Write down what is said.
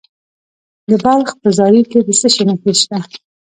د بلخ په زاري کې د څه شي نښې دي؟